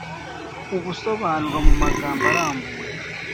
ubusobanuro mu magambo arambuye